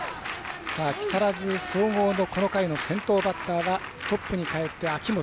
木更津総合の先頭バッターはトップにかえって、秋元。